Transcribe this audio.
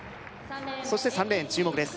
そして３レーン注目です